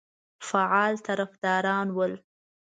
فعال طرفداران ول.